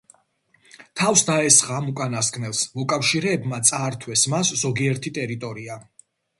თავს დაესხა ამ უკანასკნელს, მოკავშირეებმა წაართვეს მას ზოგიერთი ტერიტორია.